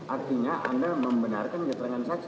artinya anda membenarkan keterangan saksi